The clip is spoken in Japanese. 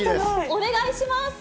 お願いします。